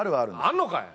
あんのかい！